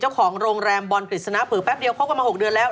เจ้าของโรงแรมบอลกฤษณะเผลอแป๊บเดียวคบกันมา๖เดือนแล้ว